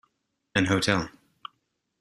An hotel.